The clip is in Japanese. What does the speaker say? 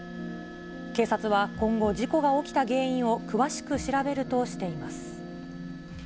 警察は今後、事故が起きた原因を詳しく調べるとしています。